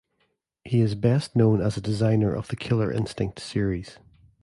He is best known as a designer of the "Killer Instinct" series.